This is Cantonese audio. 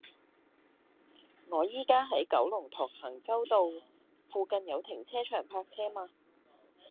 我依家喺九龍塘衡州道，附近有停車場泊車嗎